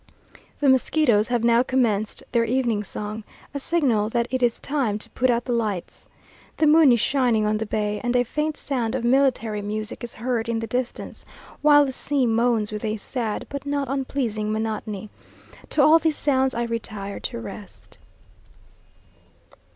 The mosquitoes have now commenced their evening song, a signal that it is time to put out the lights. The moon is shining on the bay, and a faint sound of military music is heard in the distance, while the sea moans with a sad but not unpleasing monotony. To all these sounds I retire to rest.